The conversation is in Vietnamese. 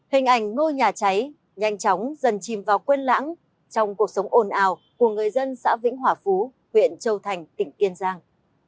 hình ảnh ngôi nhà cháy nhanh chóng dần chìm vào quên lãng trong cuộc sống ồn ào của người dân xã vĩnh hòa phú huyện châu thành tỉnh kiên giang